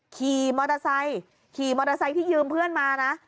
ขี่มอเตอร์ไซค์ขี่มอเตอร์ไซค์ที่ยืมเพื่อนมานะ